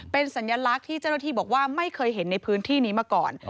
เป็นสัญลักษณ์ที่เจ้าหน้าที่บอกว่าไม่เคยเห็นในพื้นที่นี้มาก่อน